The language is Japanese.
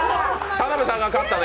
田辺さんが勝ったの？